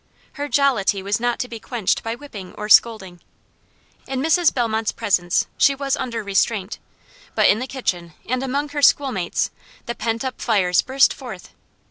Her jollity was not to be quenched by whipping or scolding. In Mrs. Bellmont's presence she was under restraint; but in the kitchen, and among her schoolmates, the pent up fires burst forth.